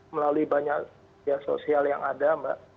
melalui banyak sosial yang ada mbak